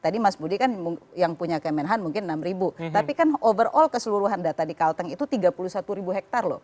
tadi mas budi kan yang punya kemenhan mungkin enam ribu tapi kan overall keseluruhan data di kalteng itu tiga puluh satu ribu hektare loh